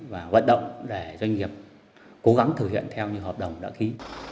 và vận động để doanh nghiệp cố gắng thực hiện theo những hợp đồng đã ký